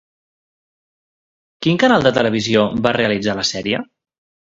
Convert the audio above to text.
Quin canal de televisió va realitzar la sèrie?